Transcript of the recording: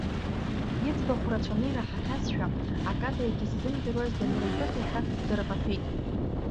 Иӡбахә рацәаны ираҳахьазшәа, акада егьыззымдыруаз данрымԥыхьашәа дырҟаҭәеит.